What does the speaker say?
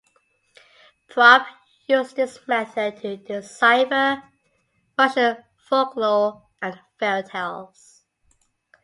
Propp used this method to decipher Russian folklore and fairy tales.